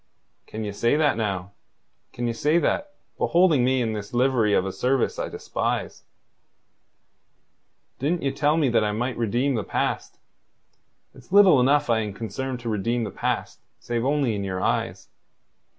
"Can ye say that now? Can ye say that, beholding me in this livery of a service I despise? Didn't ye tell me that I might redeem the past? It's little enough I am concerned to redeem the past save only in your eyes.